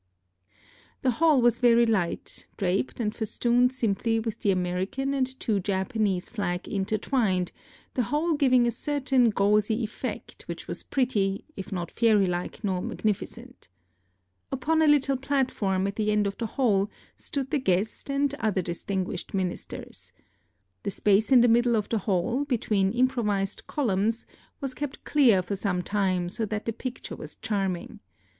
The hall was very light, draped and festooned simply with the American and two Japanese flags intertwined, the whole giving a certain gauzy effect, which was pretty, if not fairy like nor magnificent. Upon a little platform at the end of the hall stood the guest and other distinguished ministers. The space in the middle of the hall, between improvised columns, was kept clear for some time, so that the picture was charming.